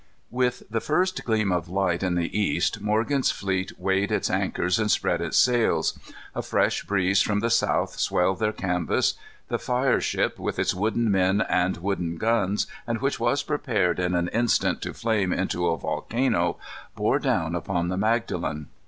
With the first gleam of light in the east, Morgan's fleet weighed its anchors and spread its sails. A fresh breeze from the south swelled their canvas. The fire ship, with its wooden men and wooden guns, and which was prepared in an instant to flame into a volcano, bore down upon the Magdalen.